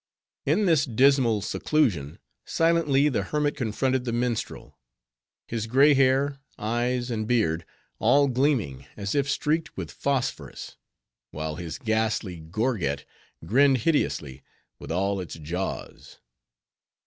In this dismal seclusion, silently the hermit confronted the minstrel; his gray hair, eyes, and beard all gleaming, as if streaked with phosphorus; while his ghastly gorget grinned hideously, with all its jaws.